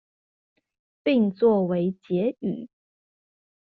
並做為結語